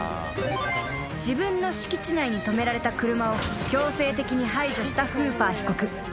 ［自分の敷地内に止められた車を強制的に排除したフーパー被告］